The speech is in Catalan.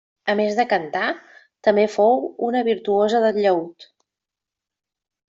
A més de cantar, també fou una virtuosa del llaüt.